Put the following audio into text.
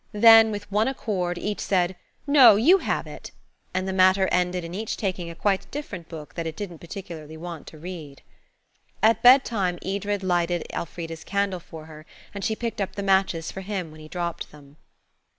Then, with one accord, each said, "No–you have it!" and the matter ended in each taking a quite different book that it didn't particularly want to read. At bedtime Edred lighted Elfrida's candle for her, and she picked up the matches for him when he dropped them.